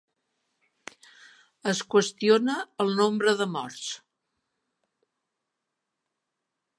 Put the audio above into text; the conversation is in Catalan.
Es qüestiona el nombre de morts.